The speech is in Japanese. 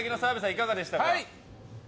いかがでしたか？